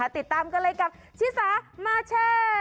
ติดตามกันเลยกับชิสามาแชร์